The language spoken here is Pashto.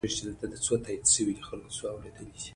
دا جنګ په تاریخ کې ثبت سوی دی.